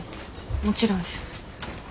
もちろんです。